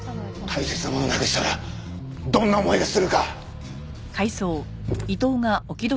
大切なものをなくしたらどんな思いがするか！